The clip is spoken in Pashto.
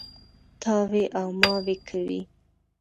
تاوې او ماوې کوي.